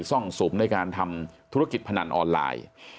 ซ่องสุมในการทำธุรกิจพนันออนไลน์